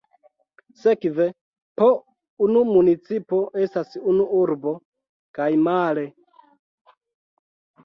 Sekve, po unu municipo estas unu urbo, kaj male.